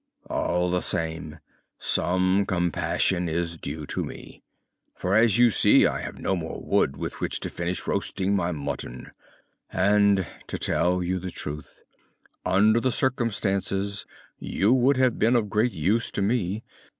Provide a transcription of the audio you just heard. All the same, some compassion is due to me, for as you see I have no more wood with which to finish roasting my mutton, and, to tell you the truth, under the circumstances you would have been of great use to me!